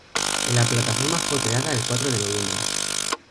La plataforma fue creada el cuatro de Noviembre